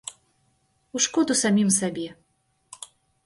У шкоду самім сабе.